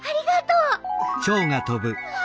うわ！